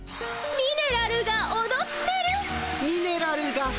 ミネラルがおどってる。